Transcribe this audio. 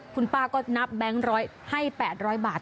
คุณป้าก็นับแบงค์ให้๘๐๐บาท